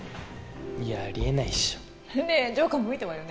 いやありえないっしょねえジョーカーも見たわよね